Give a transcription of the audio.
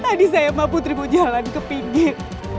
tadi saya mbak putri mau jalan ke pinggir